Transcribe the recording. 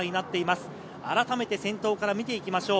改めて先頭から見ていきましょう。